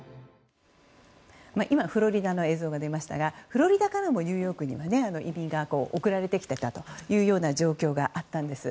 今、フロリダの映像が出ましたがフロリダからもニューヨークには移民が送られてきたからというような状況があったんです。